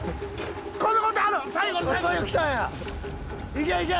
いけいけ！